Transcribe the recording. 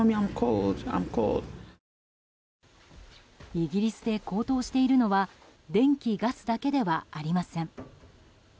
イギリスで高騰しているのは電気・ガスだけではありません。